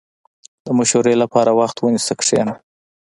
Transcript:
• د مشورې لپاره وخت ونیسه، کښېنه.